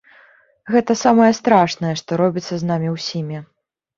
Гэта самае страшнае, што робіцца з намі ўсімі.